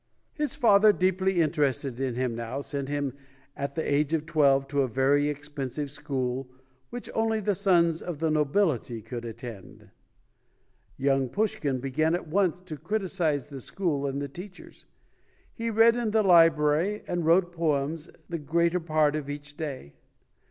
His father, deeply interested in him now, sent him at the age of twelve to a very expensive school which only the sons of the nobility could attend. Young Pushkin began at once to criticise the school and the teachers. He read in the library and wrote poems the greater part of each day.